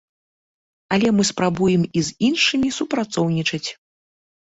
Але мы спрабуем і з іншымі супрацоўнічаць.